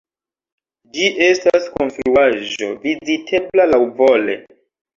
Ĝi estas konstruaĵo vizitebla laŭvole.